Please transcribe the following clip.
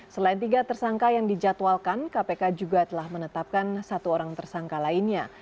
selain tiga tersangka yang dijadwalkan kpk juga telah menetapkan satu orang tersangka lainnya